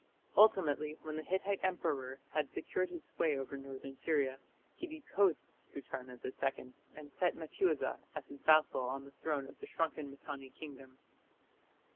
Ultimately, when the Hittite emperor had secured his sway over northern Syria, he deposed Sutarna II and set Mattiuza as his vassal on the throne of the shrunken Mitanni kingdom.